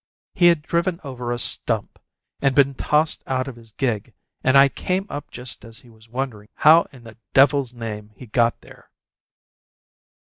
He had driven over a stump, and been tossed out of his gig, and I came up just as he was wondering how in the D l's name he got there!